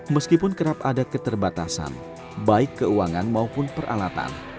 meskipun kerap ada keterbatasan baik keuangan maupun peralatan